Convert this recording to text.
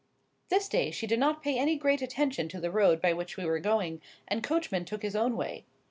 This day she did not pay any great attention to the road by which we were going, and Coachman took his own way.